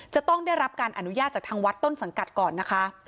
จะต้องได้รับการอนุญาตจากทางวัดต้นสังกัดก่อนนะคะ